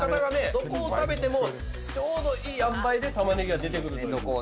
どこを食べてもちょうどいいあんばいで玉ねぎが出てくるという。